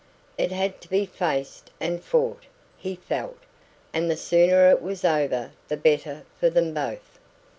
It had to be faced and fought, he felt, and the sooner it was over the better for them both.